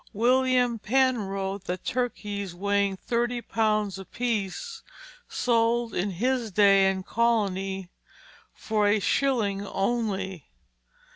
William Penn wrote that turkeys weighing thirty pounds apiece sold in his day and colony for a shilling only.